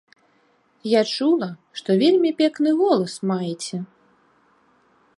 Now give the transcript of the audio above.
Я чула, што вельмі пекны голас маеце.